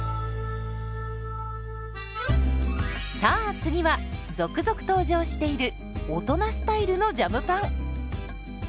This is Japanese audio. さあ次は続々登場している大人スタイルのジャムパン。